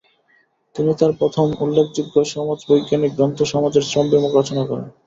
তিনি তার প্রথম উল্লেখযোগ্য সমাজবৈজ্ঞানিক গ্রন্থ সমাজের শ্রমবিভাগ রচনা করেন।